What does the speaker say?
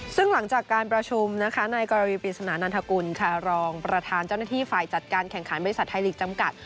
ซึ่งหลังจากการประชุมนะคะในกรณีปริศนานันทกุลค่ะรองประธานเจ้าหน้าที่ฝ่ายจัดการแข่งขันบริษัทไทยลีกจำกัด